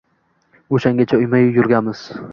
Oʻshangacha uyma-uy yurganmiz.